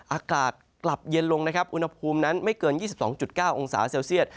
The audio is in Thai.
อากาศกลับเย็นลงนะครับอุณหภูมินั้นไม่เกิน๒๒๙องศาเซลเซียต